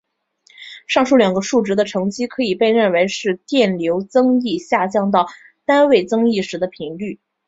上述两个数值的乘积可以被认为是电流增益下降到单位增益时的频率。